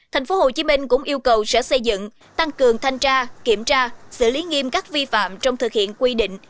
tp hcm cũng yêu cầu sở xây dựng tăng cường thanh tra kiểm tra xử lý nghiêm các vi phạm trong thực hiện quy định